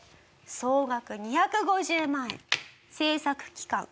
総額２５０万円製作期間